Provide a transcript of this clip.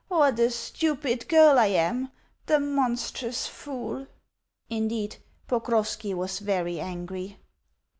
What a stupid girl I am! The monstrous fool!" Indeed, Pokrovski was very angry.